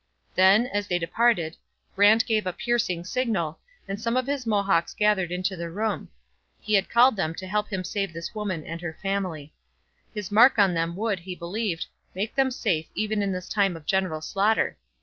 Then, as they departed, Brant gave a piercing signal, and some of his Mohawks gathered into the room. He had called them to help him save this woman and her family. His mark on them would, he believed, make them safe even in this time of general slaughter.